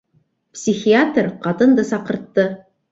Психиатр ҡатынды саҡыртты.